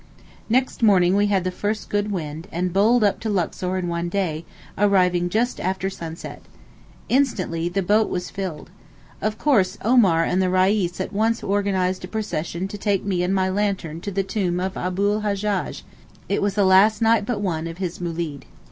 Next morning we had the first good wind, and bowled up to Luxor in one day, arriving just after sunset. Instantly the boat was filled. Of course Omar and the Reis at once organized a procession to take me and my lantern to the tomb of Abu l Hajjaj—it was the last night but one of his moolid.